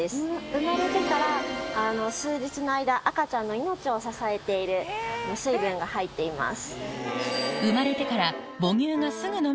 生まれてから数日の間赤ちゃんの命を支えている水分が入っています。